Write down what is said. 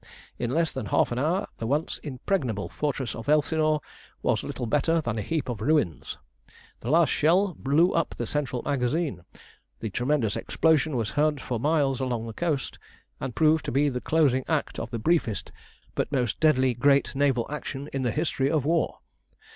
In less than half an hour the once impregnable fortress of Elsinore was little better than a heap of ruins. The last shell blew up the central magazine; the tremendous explosion was heard for miles along the coast, and proved to be the closing act of the briefest but most deadly great naval action in the history of war.